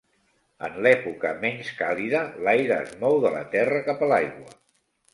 En l'època menys càlida l'aire es mou de la terra cap a l'aigua.